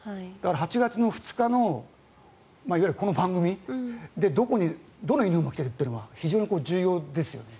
８月２日のいわゆるこの番組でどのユニホームを着ているかは非常に重要ですよね。